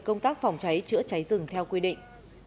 công tác phòng cháy chữa cháy rừng theo quy định